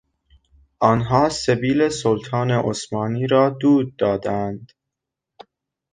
آنها سبیل سلطان عثمانی را دود دادند.